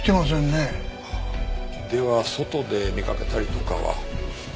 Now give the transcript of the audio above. では外で見かけたりとかは？